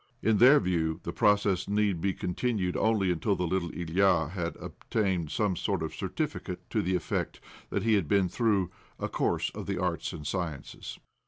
In their view the process need be continued only until the little Ilya had obtained some sort of a certificate to the effect that he had been through ' a course of the arts and sciences."